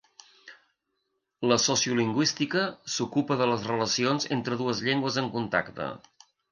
La sociolingüística s'ocupa de les relacions entre dues llengües en contacte.